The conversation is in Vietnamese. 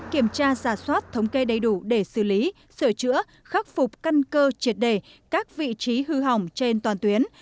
kiểm tra giả soát thống kê đầy đủ để xử lý sửa chữa khắc phục căn cơ triệt đề các vị trí hư hỏng trên toàn tuyến